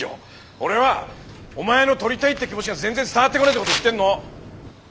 俺はお前の撮りたいって気持ちが全然伝わってこないって事言ってんの！